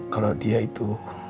kalau dia itu